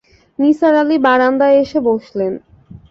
নিসার আলি বায়ান্দায় এসে বসলেন।